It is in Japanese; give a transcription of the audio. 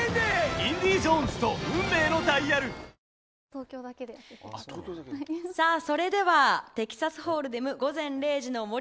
東京海上日動それではテキサスホールデム「午前０時の森」